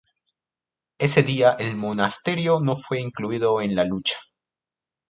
Ese día el monasterio no fue incluido en la lucha.